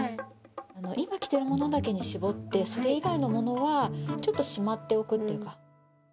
今着ているものだけに絞って、それ以外のものはちょっとしまっておくっていうか。